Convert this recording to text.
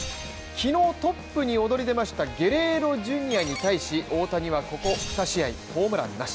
昨日、トップに躍り出ましたゲレーロジュニアに対し大谷はここ２試合、ホームランなし。